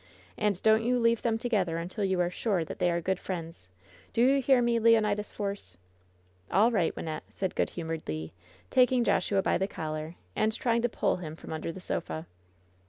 And don't you leave them together until you are sure that they are good friends ! Do you hear me, Leonidas Force?"' "All right, Wynnette,'* said good humored Le, taking Joshua by the collar and trying to pull him from under the sofa.